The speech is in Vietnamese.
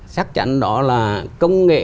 chắc chắn đó là công nghệ